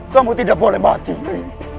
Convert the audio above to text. kamu tidak boleh mati